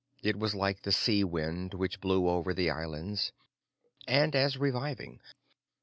It was like the sea wind which blew over the islands, and as reviving.